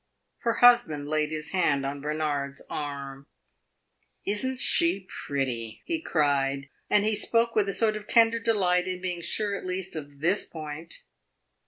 Her husband laid his hand on Bernard's arm. "Is n't she pretty?" he cried; and he spoke with a sort of tender delight in being sure at least of this point.